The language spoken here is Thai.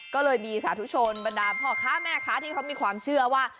ก็เลยมีสาธุชนบรรดาพ่อค้าแม่ค้าที่เขามีความเชื่อว่า